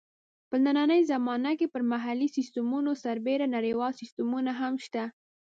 په نننۍ زمانه کې پر محلي سیسټمونو سربېره نړیوال سیسټمونه هم شته.